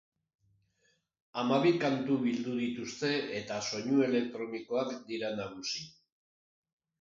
Hamabi kantu bildu dituzte eta soinu elektronikoak dira nagusi.